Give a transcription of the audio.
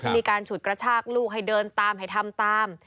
มีการฉุดกระชากลูกให้เดินตามให้ทำตาม